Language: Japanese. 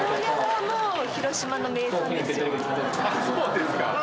そうですか。